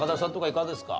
いかがですか？